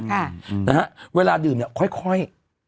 นะฮะเวลาดื่มเนี่ยค่อย